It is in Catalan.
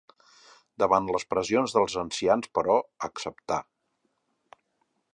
Davant les pressions dels ancians però, acceptà.